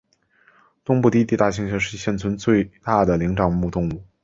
东部低地大猩猩是现存最大的灵长目动物。